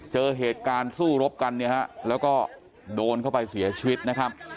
เจอเหตุการณ์สู้รบกันเนี่ยฮะแล้วก็โดนเข้าไปเสียชีวิตนะครับ